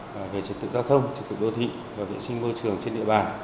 về trực tự giao thông trực tự đô thị và vệ sinh môi trường trên địa bàn